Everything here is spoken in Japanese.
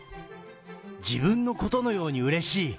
自分のことのようにうれしい！